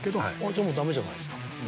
じゃあもうダメじゃないですか。